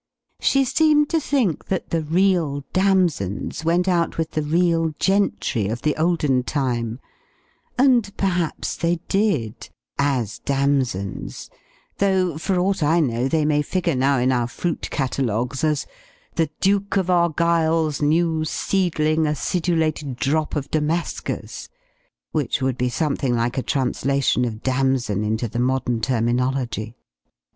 She seemed to think that the real damsons went out with the real gentry of the olden time; and perhaps they did, as damsons, though, for aught I know, they may figure now in our fruit catalogues as "The Duke of Argyle's New Seedling Acidulated Drop of Damascus," which would be something like a translation of Damson into the modern terminology.